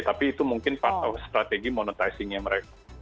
tapi itu mungkin part of strategi monetizingnya mereka